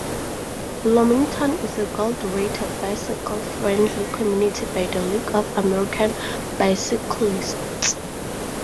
Bloomington is a gold-rated bicycle-friendly community by the League of American Bicyclists.